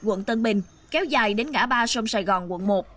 quận tân bình kéo dài đến ngã ba sông sài gòn quận một